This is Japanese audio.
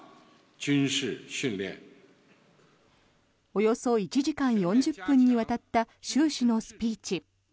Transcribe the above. およそ１時間４０分にわたった習氏のスピーチ。